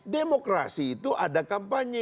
demokrasi itu ada kampanye